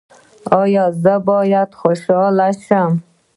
ایا زه باید خوشحاله شم؟